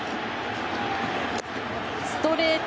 ストレート。